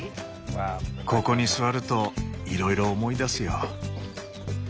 ここに座るといろいろ思い出すよ。